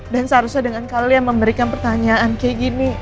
dan seharusnya dengan kalian memberikan pertanyaan kayak gini